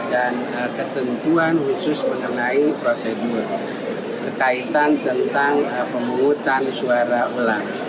dan ketentuan khusus mengenai prosedur berkaitan tentang pengumutan suara ulang